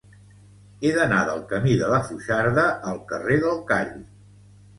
He d'anar del camí de la Foixarda al carrer del Call.